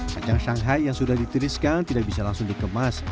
kacang shanghai yang sudah ditiriskan tidak bisa langsung dikemas